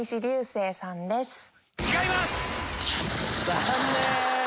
残念！